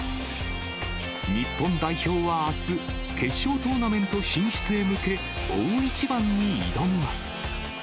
日本代表はあす、決勝トーナメント進出へ向け、大一番に挑みます。